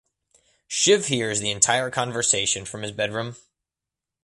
Shiv hears the entire conversation from his bedroom.